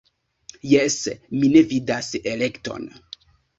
Jes, mi ne vidas elekton.